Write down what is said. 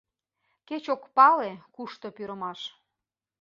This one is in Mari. Кеч ок пале — кушто Пӱрымаш.